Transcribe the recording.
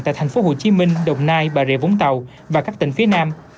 tại thành phố hồ chí minh đồng nai bà rịa vũng tàu và các tỉnh phía nam